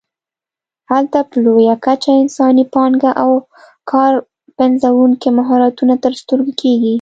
هلته په لویه کچه انساني پانګه او کار پنځوونکي مهارتونه تر سترګو کېږي.